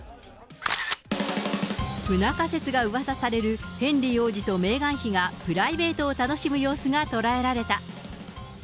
不仲説がうわさされるヘンリー王子とメーガン妃が、プライベートを楽しむ様子が捉えられた。